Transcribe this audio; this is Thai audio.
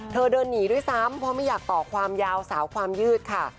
เดินหนีด้วยซ้ำเพราะไม่อยากต่อความยาวสาวความยืดค่ะ